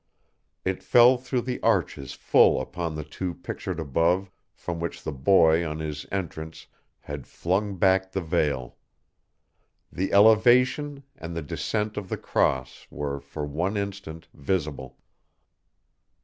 It fell through the arches full upon the two pictures above, from which the boy on his entrance had flung back the veil: the Elevation and the Descent of the Cross were for one instant visible.